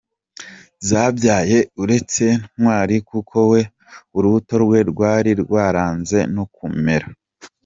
zabyaye, uretse Ntwari kuko we urubuto rwe rwari rwaranze no kumera!.